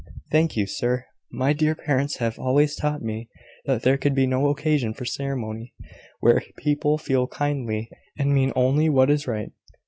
"Thank you, sir. My dear parents have always taught me that there could be no occasion for ceremony where people feel kindly, and mean only what is right.